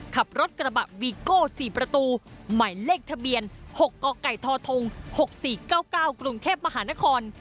ขับรถกระบะวีโก้๔ประตูหมายเลขทะเบียน๖กกทธ๖๔๙๙กรุงเทพมหานคร